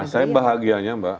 nah saya bahagianya mbak